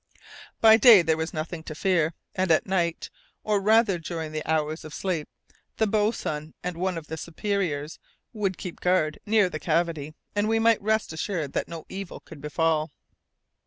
By day there was nothing to fear, and at night, or rather during the hours of sleep, the boatswain and one of the superiors would keep guard near the cavity, and we might rest assured that no evil could befall.